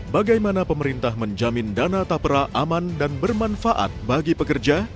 bagaimana pemerintah menjamin dana tapera aman dan bermanfaat bagi pekerja